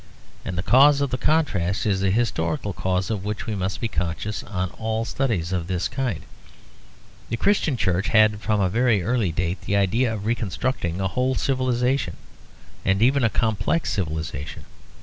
And the cause of the contrast is the historical cause of which we must be conscious in all studies of this kind. The Christian Church had from a very early date the idea of reconstructing a whole civilisation, and even a complex civilisation.